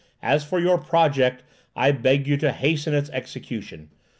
As for your project, I beg you to hasten its execution.